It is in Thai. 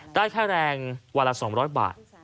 ได้แค่แรงวันละสองร้อยบาท